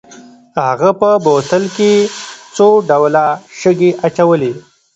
هغه په بوتل کې څو ډوله شګې اچولې.